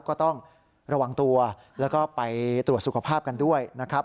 ก็ต้องระวังตัวแล้วก็ไปตรวจสุขภาพกันด้วยนะครับ